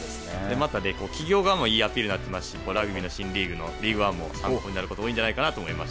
また、企業側もいいアピールになっていますしラグビーの新リーグも参考になることが多いと思います。